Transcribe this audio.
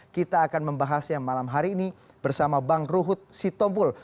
kita akan membahasnya malam hari ini bersama bang ruhut sitompul